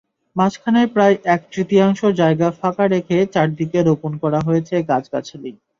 মাঝখানে প্রায় এক-তৃতীয়াংশ জায়গা ফাঁকা রেখে চারদিকে রোপণ করা হয়েছে গাছগাছালি।